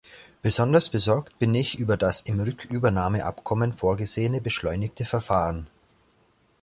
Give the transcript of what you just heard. Besonders besorgt bin ich über das im Rückübernahmeabkommen vorgesehene beschleunigte Verfahren.